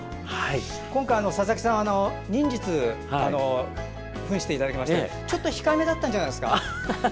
今回、佐々木さん忍術、ふんしていただきましたがちょっと控えめだったんじゃないですか？